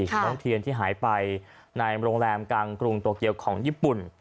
น้องเทียนที่หายไปในโรงแรมกลางกรุงโตเกียวของญี่ปุ่น